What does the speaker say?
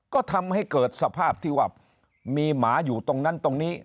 ก็ทำให้เกิดสภาพที่ว่ามีหมาอยู่ตรงนั้นตรงนี้